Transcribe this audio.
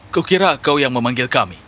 kukira kau yang memanggil kami